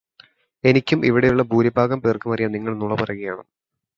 എനിക്കും ഇവിടെയുള്ള ഭൂരിഭാഗം പേർക്കുമറിയാം നിങ്ങൾ നുണ പറയുകയാണെന്ന്.